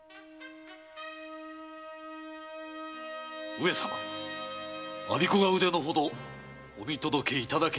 上様我孫子が腕のほどお見届けいただけましたか？